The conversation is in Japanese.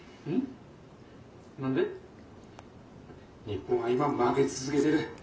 「日本は今負け続けてる」。